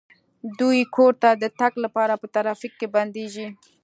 دوی کور ته د تګ لپاره په ترافیک کې بندیږي